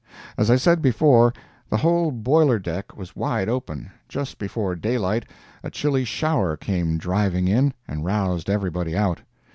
As I said before, the whole boiler deck was wide open; just before day light a chilly shower came driving in and roused everybody out.